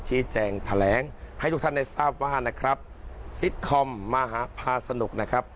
ชี้แจงแถลงให้ทุกท่านได้ทราบว่านะครับซิตคอมมหาพาสนุกนะครับ